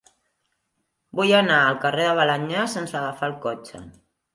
Vull anar al carrer de Balenyà sense agafar el cotxe.